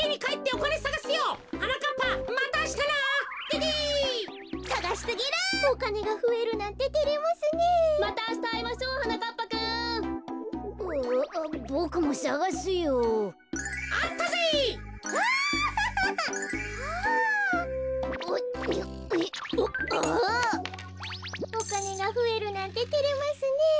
おかねがふえるなんててれますねえ。